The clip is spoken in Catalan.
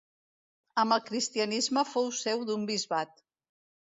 Amb el cristianisme fou seu d'un bisbat.